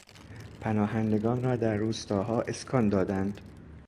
پناهندگان را در روستاها اسکان دادند.